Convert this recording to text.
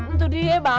itu dia bang